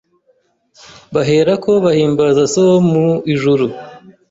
bahereko bahimbaze so wo mu ijuru.